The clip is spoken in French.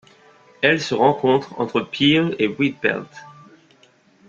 Elle se rencontre entre Peel et Wheatbelt.